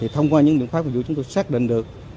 thông qua những biện pháp phục vụ chúng tôi xác định được